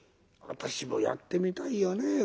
私もやってみたいよね